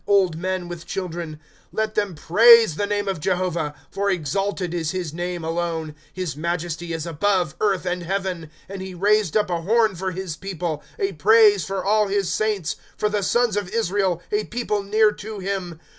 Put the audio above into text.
Old men, with children ; Let them praise the name of Jehovah ; For exalted is his name alone. His majesty is above earth and heaven. And he raised up a horn for his people, A praise for al! his saints, For the sons of Israel, a people near to him.